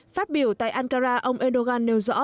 phát biểu tại ankara ông erdogan nêu rõ